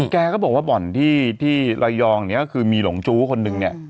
แกก็บอกว่าบ่อนที่ระยองเนี่ยก็คือมีหลงจู้คนนึงเนี่ย